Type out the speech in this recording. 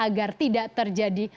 agar tidak terjadi